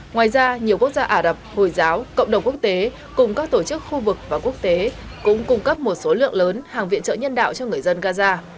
ngoài ra nhiều quốc gia ả rập hồi giáo cộng đồng quốc tế cùng các tổ chức khu vực và quốc tế cũng cung cấp một số lượng lớn hàng viện trợ nhân đạo cho người dân gaza